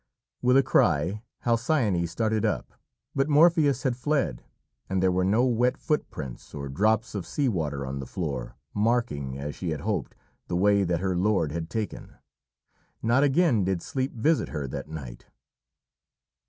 With a cry Halcyone started up, but Morpheus had fled, and there were no wet footprints nor drops of sea water on the floor, marking, as she had hoped, the way that her lord had taken. Not again did Sleep visit her that night.